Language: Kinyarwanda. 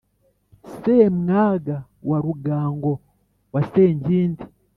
Semwaga wa Rugango wa senkindi